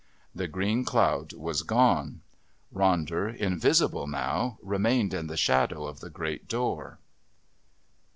The green cloud was gone. Ronder, invisible now, remained in the shadow of the great door.